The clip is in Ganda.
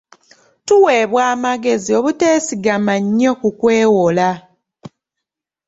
Tuweebwa amagezi obuteesigama nnyo ku kwewola.